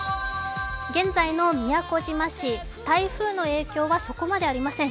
現在の宮古島市台風の影響はそこまでありません。